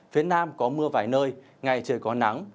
phía nam có mưa vài nơi ngày trời có nắng